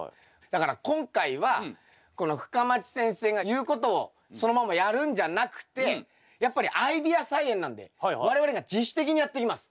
だから今回はこの深町先生が言うことをそのままやるんじゃなくてやっぱりアイデア菜園なんで我々が自主的にやっていきます。